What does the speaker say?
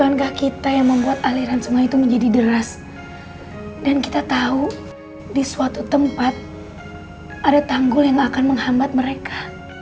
bukankah kita yang membuat aliran sungai itu menjadi deras dan kita tahu di suatu tempat ada tanggul yang akan menghambat mereka